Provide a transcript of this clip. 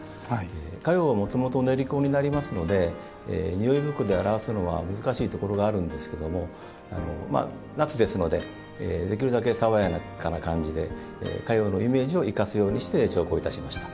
荷葉もともと煉香になりますので匂い袋で表すのは難しいんですが夏ですのでできるだけ爽やかな感じで荷葉のイメージを生かすように調合いたしました。